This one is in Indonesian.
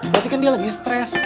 berarti kan dia lagi stres